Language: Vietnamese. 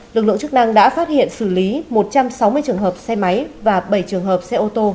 lực lượng chức năng đã phát hiện xử lý một trăm sáu mươi trường hợp xe máy và bảy trường hợp xe ô tô